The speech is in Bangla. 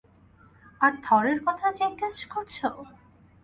আর থরের কথা জিজ্ঞেস করছ?